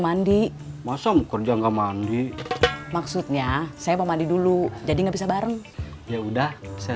mandi mosom kerja nggak mandi maksudnya saya mau mandi dulu jadi nggak bisa bareng ya udah saya